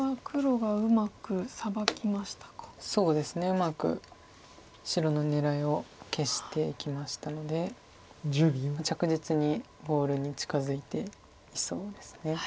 うまく白の狙いを消していきましたので着実にゴールに近づいていそうです。